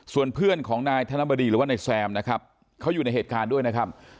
ส่วนเพื่อนของนายธนบดีหรือว่านายแซมนะครับเขาอยู่ในเหตุการณ์ด้วยนะครับ